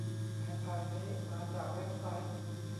แผนผังนี้มาจากเว็บไซต์